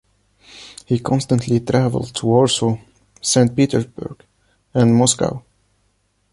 He constantly traveled to Warsaw, Saint Petersburg and Moscow.